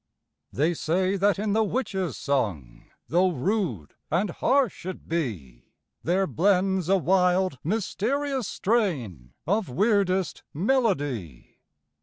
They say that in the witchÆs song, Though rude and harsh it be, There blends a wild, mysterious strain Of weirdest melody.